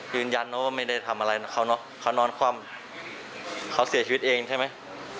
ยืนยันนะว่าไม่ได้ทำอะไรเขานอนคว่ำเขาเสียชีวิตเองใช่ไหม